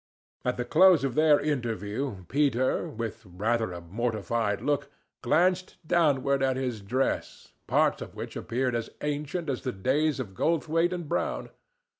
At the close of their interview, Peter, with rather a mortified look, glanced downward at his dress, parts of which appeared as ancient as the days of Goldthwaite & Brown.